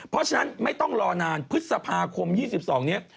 เพราะฉะนั้นไม่ต้องรอนานพฤษภาคม๒๒นี้